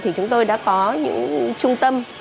thì chúng tôi đã có những trung tâm